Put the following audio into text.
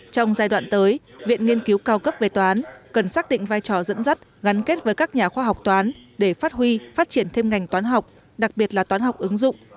trong giai đoạn tới viện nghiên cứu cao cấp về toán cần xác định vai trò dẫn dắt gắn kết với các nhà khoa học toán để phát huy phát triển thêm ngành toán học đặc biệt là toán học ứng dụng